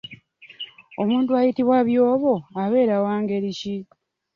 Omuntu ayitibwa byobo abeera wa ngeri ki?